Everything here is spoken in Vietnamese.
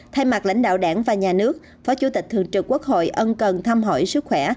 thay mặt lãnh đạo đảng và nhà nước phó chủ tịch thường trực quốc hội ân cần thăm hỏi sức khỏe